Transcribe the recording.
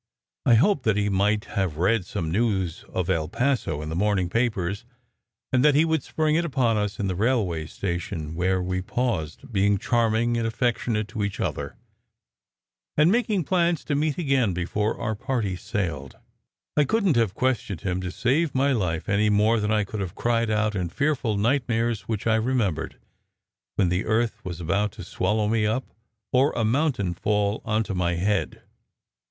I hoped that he might have read some news of El Paso in the morning papers, and that he would spring it upon us in the railway station where we paused, being charming and affectionate to each other, and making plans to meet again before our party sailed. I couldn t have questioned him to save my life, any more than I could have cried out in fearful nightmares which I remembered, when the earth was about to swallow me up, or a mountain fall on to my head.